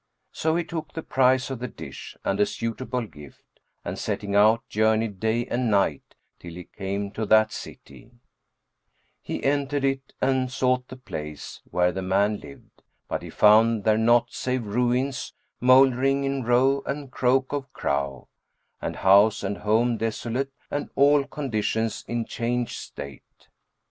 So he took the price of the dish and a suitable gift; and, setting out, journeyed day and night, till he came to that city; he entered it and sought the place where the man lived; but he found there naught save ruins mouldering in row and croak of crow, and house and home desolate and all conditions in changed state.